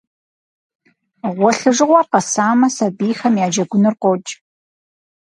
Гъуэлъыжыгъуэр къэсамэ, сабийхэм я джэгуныр къокӏ.